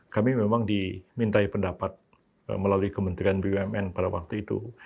kami memang dimintai pendapat melalui kementerian bumn pada waktu itu